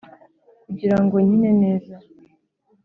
kugirango nkine neza.